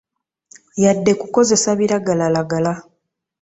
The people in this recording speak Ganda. Yadde kukozesa biragalalagala.